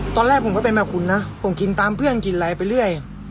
ตอนแรกผมก็เป็นแบบคุณนะผมกินตามเพื่อนกินอะไรไปเรื่อย